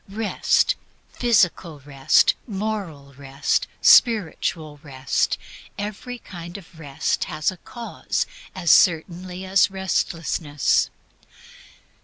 Rest, physical rest, moral rest, spiritual rest, every kind of rest has a cause, as certainly as restlessness.